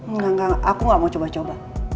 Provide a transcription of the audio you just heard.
enggak aku gak mau coba coba